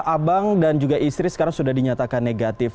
abang dan juga istri sekarang sudah dinyatakan negatif